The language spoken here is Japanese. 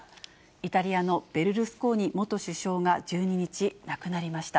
イタリアのベルルスコーニ元首相が１２日亡くなりました。